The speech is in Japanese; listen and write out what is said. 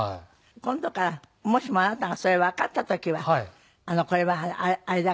今度からもしもあなたがそれわかった時はこれはあれだからって。